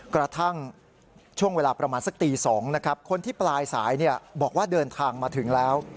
กระทั่งช่วงเวลาประมาณสักตี๒นะครับคนที่ปลายสายบอกว่าเดินทางมาถึงแล้ว